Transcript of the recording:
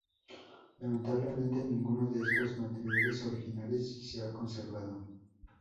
Lamentablemente ninguno de estos materiales originales se ha conservado.